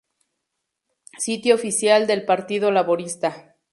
Sitio oficial del Partido Laborista